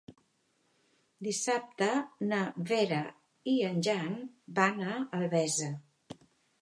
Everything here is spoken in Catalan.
Dissabte na Vera i en Jan van a Albesa.